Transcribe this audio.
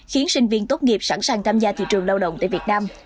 khiến sinh viên tốt nghiệp sẵn sàng tham gia thị trường lao động tại việt nam